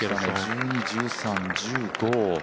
１２、１３、１５。